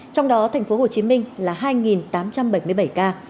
trong đó tp hcm là hai tám trăm bảy mươi bảy ca